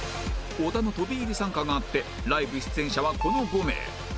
小田の飛び入り参加があってライブ出演者はこの５名